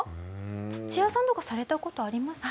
土屋さんとかされた事ありますか？